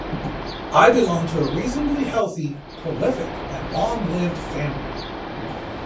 I belong to a reasonably healthy, prolific, and long-lived family.